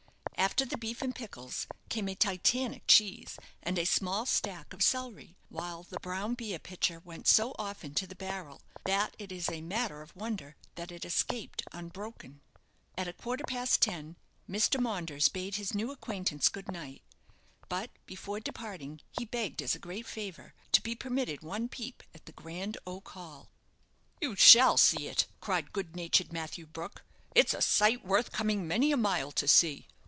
After the beef and pickles came a Titanic cheese and a small stack of celery; while the brown beer pitcher went so often to the barrel that it is a matter of wonder that it escaped unbroken. At a quarter past ten Mr. Maunders bade his new acquaintance good night; but before departing he begged, as a great favour, to be permitted one peep at the grand oak hall. "You shall see it," cried good natured Matthew Brook. "It's a sight worth coming many a mile to see.